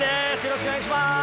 よろしくお願いします。